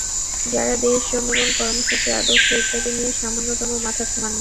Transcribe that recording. যাঁরা দেশ, জনগণ, কর্মসূচি, আদর্শ ইত্যাদি নিয়ে সামান্যতম মাথা ঘামান না।